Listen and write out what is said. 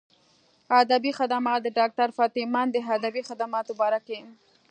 ادبي خدمات د ډاکټر فتح مند د ادبي خدماتو باره کښې